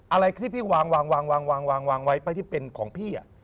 อะไรที่พี่วางไว้ไปที่เป็นของพี่อะ